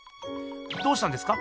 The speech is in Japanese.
どうしたんですか？